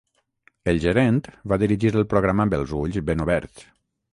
El gerent va dirigir el programa amb els ulls ben oberts.